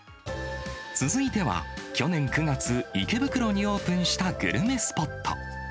続いては、去年９月、池袋にオープンしたグルメスポット。